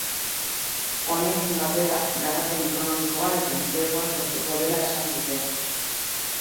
Honekin batera, garapen ekonomikoa eta enplegua sortuko dela esan dute.